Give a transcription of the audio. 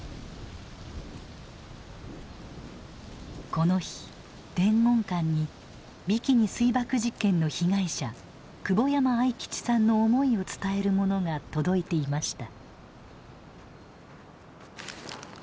この日伝言館にビキニ水爆実験の被害者久保山愛吉さんの思いを伝えるものが届いていました。